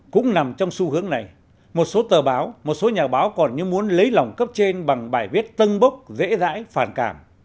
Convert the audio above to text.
cũng nằm trong xu hướng này một số tờ báo một số nhà báo còn như muốn lấy lòng cấp trên bằng bài viết tân bốc dễ dãi phản cảm